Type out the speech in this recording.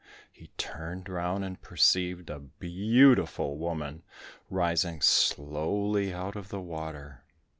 He turned round and perceived a beautiful woman, rising slowly out of the water.